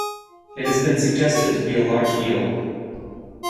It has been suggested to be a large eel.